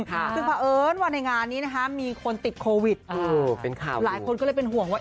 ซึ่งเพราะเอิญว่าในงานนี้นะคะมีคนติดโควิดเป็นข่าวหลายคนก็เลยเป็นห่วงว่า